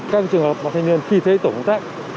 các trường hợp mà thanh niên khi thấy tổ công tác